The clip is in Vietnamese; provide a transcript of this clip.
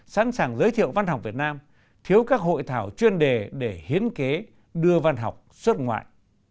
sẵn sàng giới thiệu văn học việt nam thiếu các hội thảo chuyên đề để hiến kế đưa văn học xuất ngoại